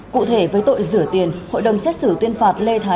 cụ thể với tội rửa tiền hội đồng xét xử tuyên phạt lê thái